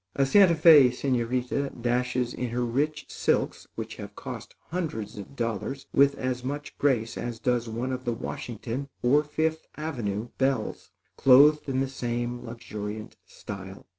A Santa Fé señorita dashes in her rich silks which have cost hundreds of dollars with as much grace as does one of the Washington or Fifth Avenue belles, clothed in the same luxuriant style.